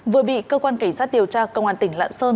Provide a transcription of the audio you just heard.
vừa bị cơ quan cảnh sát tiều tra công an tỉnh lãn sơn